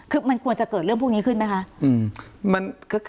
คือมันควรจะเกิดเรื่องพวกนี้ขึ้นไหมคะ